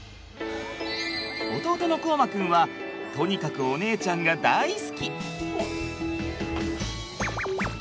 弟の凰真くんはとにかくお姉ちゃんが大好き。